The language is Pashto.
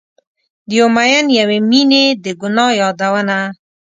د یو میین یوې میینې د ګناه یادونه